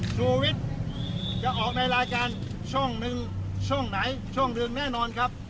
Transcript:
ชูวิทย์จะออกในรายการช่องหนึ่งช่องไหนช่องหนึ่งแน่นอนครับ